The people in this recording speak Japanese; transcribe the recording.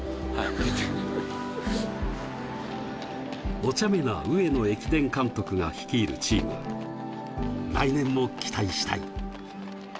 お茶目な上野駅伝監督が率いるチーム、来年も期待したい。